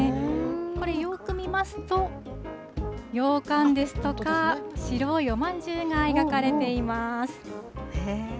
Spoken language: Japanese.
これ、よーく見ますと、ようかんですとか、白いおまんじゅうが描かれています。